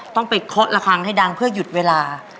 ต้องไปเคาะละครั้งให้ดังเพื่อหยุดเวลา